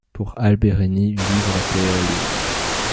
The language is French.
Pour Alberini, vivre, c'est évaluer.